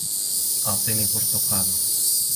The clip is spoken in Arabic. أعطني برتقالة.